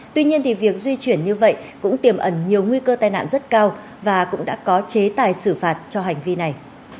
tuy nhiên thì việc di chuyển như vậy cũng tiềm ẩn nhiều nguy cơ tai nạn rất cao và cũng đã có chế tài xử phạt cho hành vi này